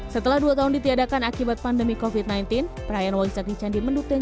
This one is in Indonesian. setelah dua tahun ditiadakan akibat pandemi kofit sembilan belas perayaan waisak di candi mendung yang